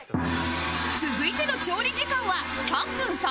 続いての調理時間は３分３０秒